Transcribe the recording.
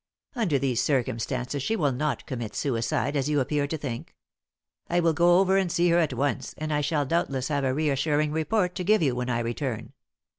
Under these circumstances, she will not commit suicide, as you appear to think. I will go over and see her at once, and I shall doubtless have a reassuring report to give you when I return.